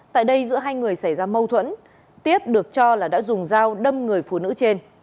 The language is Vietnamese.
tại đây giữa hai người xảy ra mâu thuẫn tiếp được cho là đã dùng dao đâm người phụ nữ trên